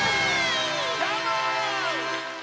どーも！